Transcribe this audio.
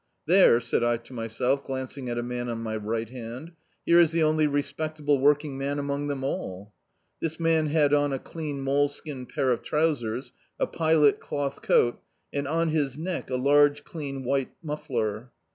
"There," said I to myself, glancing at a man on my ri^t hand — "here is the only respecuble working man among them all." This man had on a clean moleskin pair of trousers, a pilot cloth coat, and on his neck a large clean white muffler.